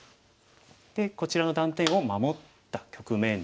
でこちらの断点を守った局面ですね。